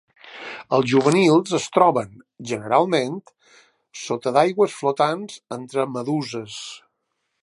Els juvenils es troben, generalment, sota algues flotants i entre meduses.